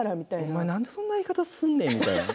お前なんでそんな言い方すんねんみたいな。